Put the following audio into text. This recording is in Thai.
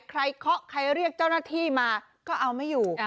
ใครเคล้อใครเรียกเจ้านาทีมาก็เอาไม่อยู่